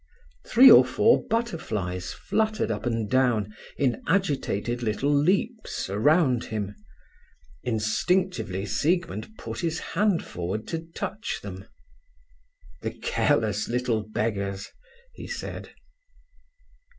Three or four butterflies fluttered up and down in agitated little leaps, around him. Instinctively Siegmund put his hand forward to touch them. "The careless little beggars!" he said.